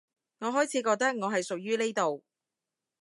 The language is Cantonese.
我開始覺得我係屬於呢度